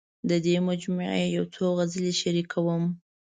د دې مجموعې یو څو غزلې شریکوم.